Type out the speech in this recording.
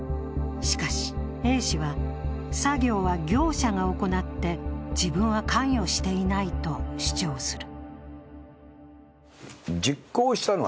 しかし、Ａ氏は、作業は業者が行って自分は関与していないと主張する。